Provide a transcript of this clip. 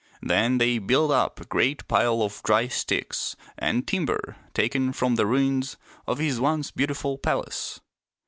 Then they built up a great pile of dry sticks and timber taken from the ruins of his once beautiful palace.